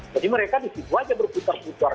jadi mereka di situ saja berputar putar